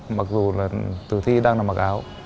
mặc dù là tử thi đang nằm mặc áo